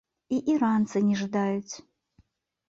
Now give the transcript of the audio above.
І іранцы не жадаюць.